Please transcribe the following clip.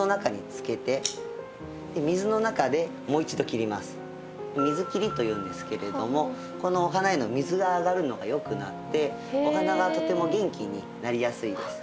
次は「水切り」というんですけれどもこのお花への水が上がるのがよくなってお花がとても元気になりやすいです。